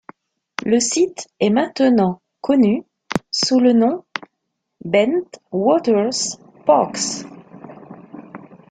Le site est maintenant connu sous le nom Bentwaters Parks.